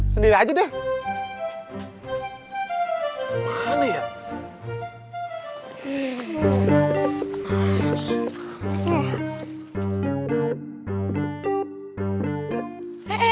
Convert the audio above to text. sendiri aja deh